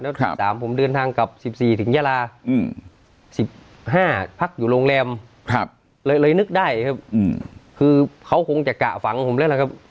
แล้ว๑๓ผมเดินทางกลับ๑๔ถึงยาลา๑๕พักอยู่โรงแรมเลยนึกได้ครับคือเขาคงจะกะฝังผมแล้วล่ะครับ